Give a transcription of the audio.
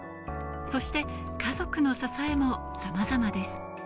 そして家族の支えもさまざまです。